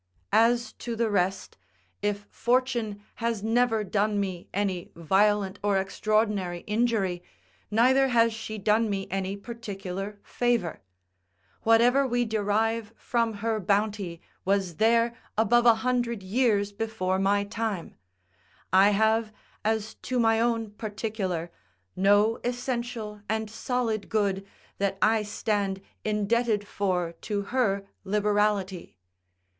As to the rest, if Fortune has never done me any violent or extraordinary injury, neither has she done me any particular favour; whatever we derive from her bounty, was there above a hundred years before my time: I have, as to my own particular, no essential and solid good, that I stand indebted for to her liberality.